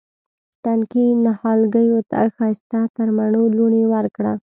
تنکي نهالګیو ته ښایسته ترمڼو لوڼې ورکړه